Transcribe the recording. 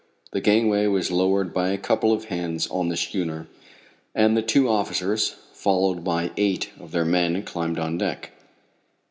The gangway was lowered by a couple of hands on the schooner, and the two officers, followed by eight of their men, climbed on deck.